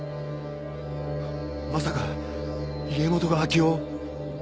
まさか家元が明生を？